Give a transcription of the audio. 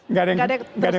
enggak ada yang pedes